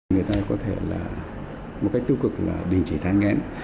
người ta có thể là một cách tiêu cực là đình chỉ thai nghen